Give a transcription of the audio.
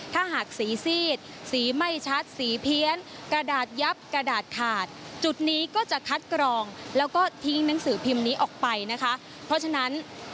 ถ้าหากสีซีดสีไม่ชัดสีเพี้ยนกระดาษยับกระดาษขาดจุดนี้ก็จะคัดกรองแล้วก็ทิ้งหนังสือพิมพ์นี้ออกไปนะคะเพราะฉะนั้น